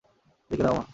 এদিকে দাও মা!